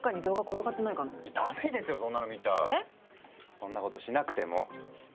そんなことしなくてもほら。